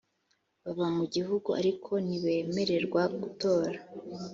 baba mu gihugu ariko ntibemererwa gutora